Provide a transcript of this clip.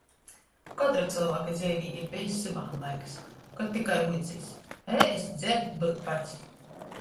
Kotra cylvāka dzeivē ir bejs syvāna laiks, kod tikai vuicīs: ēst, dzert, byut pats.